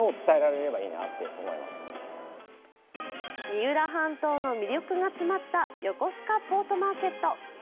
三浦半島の魅力が詰まったよこすかポートマーケット。